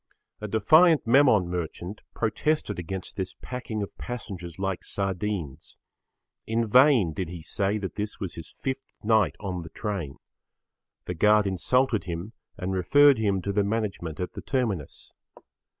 A defiant Memon merchant protested against this packing of passengers like sardines. In vain did he say that this was his fifth night on the train. The guard insulted him and referred him to the management at the terminus.